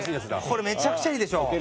これめちゃくちゃいいでしょ。